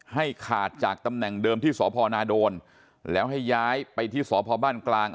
ให้ขาดจากตำแหน่งเดิมที่สพนาโดนแล้วให้ย้ายไปที่สพบ้านกลาง